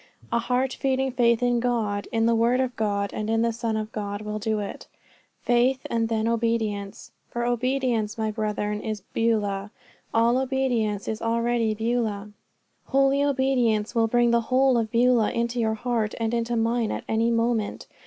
A heart feeding faith in God, in the word of God, and in the Son of God, will do it. Faith, and then obedience. For obedience, my brethren, is Beulah. All obedience is already Beulah. Holy obedience will bring the whole of Beulah into your heart and into mine at any moment.